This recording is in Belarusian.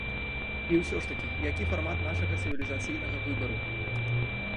І ўсё ж такі, які фармат нашага цывілізацыйнага выбару?